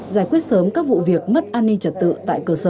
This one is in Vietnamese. giải quyết sớm các vụ việc mất an ninh trật tự tại cơ sở